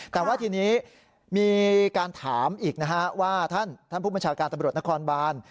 แต่ว่าทีนี้มีการถามอีกนะฮะว่าท่านผู้บัญชาการตำรวจนครบาน